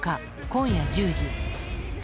今夜１０時。